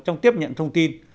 trong tiếp nhận thông tin